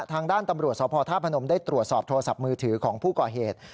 ทางด้านตำรวจสพธาตุพนมได้ตรวจสอบโทรศัพท์มือถือของผู้ก่อเหตุ